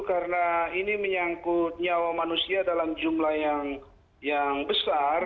karena ini menyangkut nyawa manusia dalam jumlah yang besar